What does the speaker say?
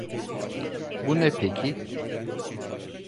Bu ne peki?